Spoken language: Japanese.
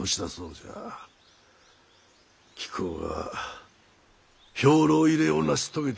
貴公が兵糧入れを成し遂げた